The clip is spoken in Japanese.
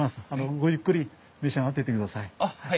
ごゆっくり召し上がってってください。